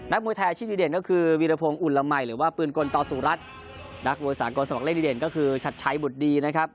มวยไทยอาชีพดีเด่นก็คือวีรพงศ์อุ่นละมัยหรือว่าปืนกลต่อสู่รัฐนักมวยสากลสมัครเล่นดีเด่นก็คือชัดชัยบุตรดีนะครับ